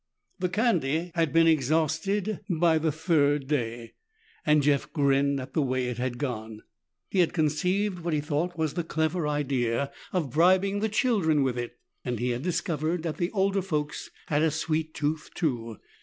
The candy had been exhausted by the third day, and Jeff grinned at the way it had gone. He had conceived what he thought was the clever idea of bribing the children with it, and he had discovered that the older folks had a sweet tooth, too.